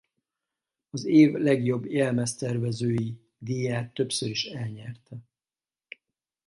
Az év legjobb jelmeztervezői díját többször is elnyerte.